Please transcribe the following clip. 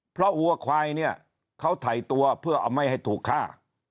เพราะวัวควายเนี่ยเขาถ่ายตัวเพื่อเอาไม่ให้ถูกฆ่า